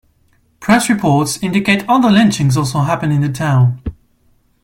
Press reports indicate other lynchings also happened in the town.